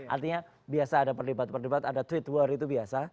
artinya biasa ada perdebat perdebat ada tweet war itu biasa